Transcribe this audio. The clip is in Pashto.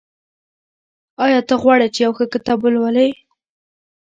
آیا ته غواړې چې یو ښه کتاب ولولې؟